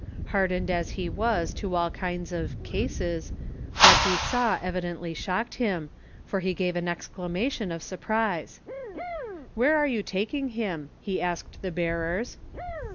Hardened as he was to all kinds of "cases," what he saw evidently shocked him, for he gave an exclamation of surprise. "Where are you taking him?" he asked the bearers.